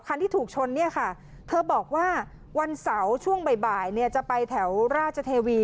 ที่ถูกชนเนี่ยค่ะเธอบอกว่าวันเสาร์ช่วงบ่ายเนี่ยจะไปแถวราชเทวี